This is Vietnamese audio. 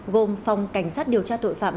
gồm phòng cảnh sát điều tra tội phạm